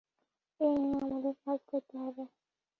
এ নিয়ে আমাদের কাজ করতে হবে।